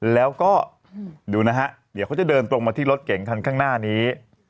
แล้วก็ดูนะฮะเดี๋ยวเขาจะเดินตรงมาที่รถเก๋งคันข้างหน้านี้